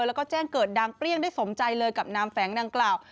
แล้วก็แจ้งเกิดดังเปรี้ยงได้สมใจเลยกับนามแฝงดังกล่าว